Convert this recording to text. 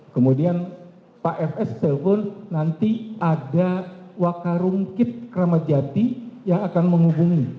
kemudian pak fs telpon nanti ada wak karungkit kramadjati yang akan menghubungi